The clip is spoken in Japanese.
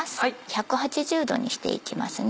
１８０度にしていきますね。